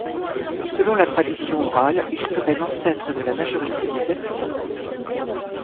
Selon la tradition orale, il serait l'ancêtre de la majorité des habitants.